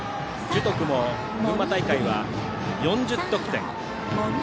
樹徳も群馬大会は４０得点。